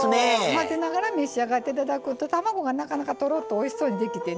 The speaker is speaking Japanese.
混ぜながら召し上がって頂くと卵がなかなかとろっとおいしそうにできてね